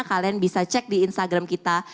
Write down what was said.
kalian bisa cek di instagram kita